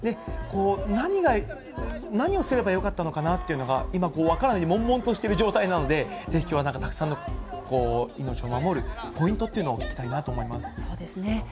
何が、何をすればよかったのかなというのが、今分からないでもんもんとしている状態なので、ぜひきょうはたくさんの命を守るポイントというのを聞きたいなとそうですね。